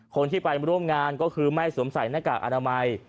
คนที่ไปร่วมงานก็คือไม่สวมใส่หน้ากากอนามัย